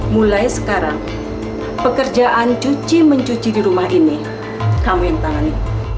mulai sekarang pekerjaan cuci mencuci di rumah ini kami yang tangani